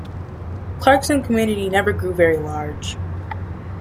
Clarkson community never grew very large.